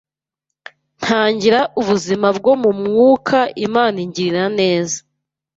ntangira ubuzima bwo mu mwuka Imana ingirira neza